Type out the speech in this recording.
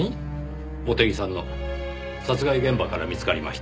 茂手木さんの殺害現場から見つかりました。